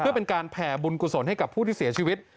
เพื่อเป็นการแผ่บุญกุศลให้กับผู้ที่เสียชีวิต